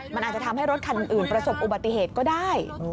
มันอาจจะทำให้รถคันอื่นประสบอุบัติเหตุก็ได้